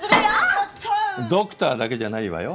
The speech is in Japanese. ドクターだけじゃないわよ。